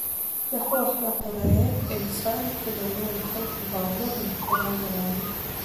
د ښو اخلاقو رعایت انسان ته د نورو خلکو باور او احترام راوړي.